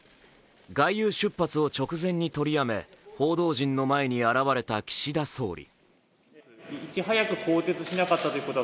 外遊出発を直前に取りやめ報道陣の前に現れた岸田総理。